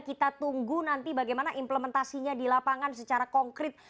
kita tunggu nanti bagaimana implementasinya di lapangan secara konkret